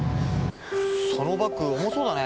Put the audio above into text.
そのバッグ重そうだね。